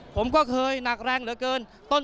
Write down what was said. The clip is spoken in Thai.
ผมก็เคยหนักแรงเหลือเกิน